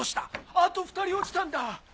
あと２人落ちたんだ。